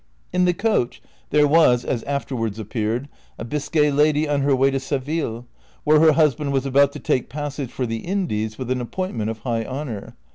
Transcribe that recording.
In the coach there was, as afterwards appeared, a Biscay lad}^ on her way to Seville, where her husband was about to take passage for the Indies with an appointment of high honor.